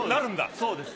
そうです。